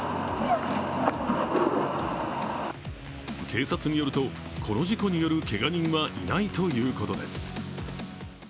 警察によるとこの事故によるけが人はいないということです。